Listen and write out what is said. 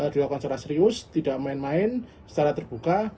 dilakukan secara serius tidak main main secara terbuka